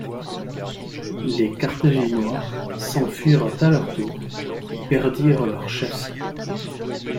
Les Carthaginois s'enfuirent à leur tour et perdirent leurs chefs.